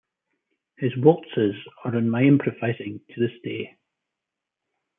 His waltzes are in my improvising to this day.